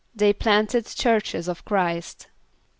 =They planted churches of Chr[=i]st.